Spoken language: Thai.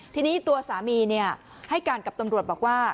ทีนี้ตัวสามีให้การกับตำรวจบอกว่า